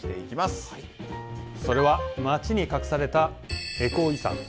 それは街に隠されたエコー遺産。